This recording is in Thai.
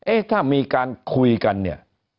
เอ๊ะถ้ามีการคุยกันเนี่ย